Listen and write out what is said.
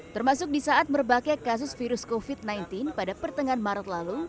termasuk di saat merbakai kasus virus covid sembilan belas pada pertengahan maret lalu